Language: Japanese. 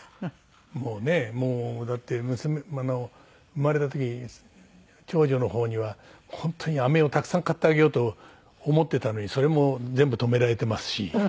もうねだって生まれた時に長女の方には本当にアメをたくさん買ってあげようと思っていたのにそれも全部止められていますし。